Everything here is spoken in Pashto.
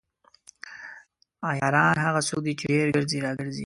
عیاران هغه څوک دي چې ډیر ګرځي راګرځي.